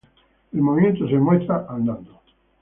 El movimiento se demuestra andando.